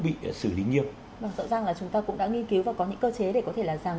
bị xử lý nghiêm bằng sợ rằng là chúng ta cũng đã nghiên cứu và có những cơ chế để có thể là ràng